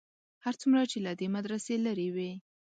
هر څومره چې له دې مدرسې لرې وې.